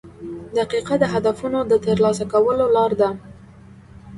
• دقیقه د هدفونو د ترلاسه کولو لار ده.